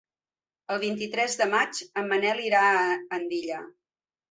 El vint-i-tres de maig en Manel irà a Andilla.